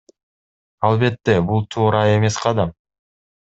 Албетте, бул туура эмес кадам.